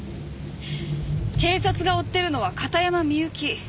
警察が追ってるのは片山みゆき。